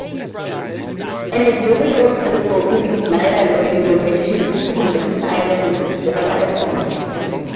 A majority of these volcanoes lie along Indonesia's two largest islands, Java and Sumatra.